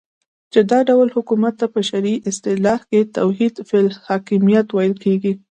چی دا ډول حکومت ته په شرعی اصطلاح کی توحید فی الحاکمیت ویل کیږی